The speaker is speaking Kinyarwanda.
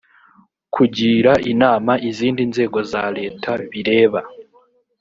kugira inama izindi nzego za leta bireba